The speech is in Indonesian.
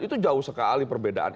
itu jauh sekali perbedaan